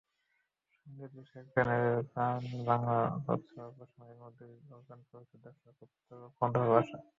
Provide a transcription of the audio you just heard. সংগীতবিষয়ক channel GaanBangla পথচলার অল্প সময়ের মধ্যেই অর্জন করেছে দর্শক-শ্রোতার অফুরন্ত ভালোবাসা।